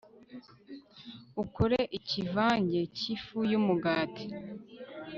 ukore ikivange cy'ifu y'umugati